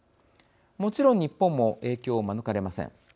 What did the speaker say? もちろん日本も影響を免れません。